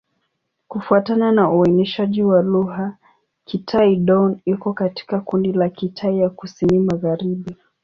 Kufuatana na uainishaji wa lugha, Kitai-Dón iko katika kundi la Kitai ya Kusini-Magharibi.